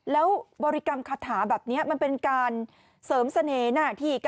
แล้วบริกรรมคาถาแบบนี้มันเป็นการเสริมเสน่ห์หน้าที่กัน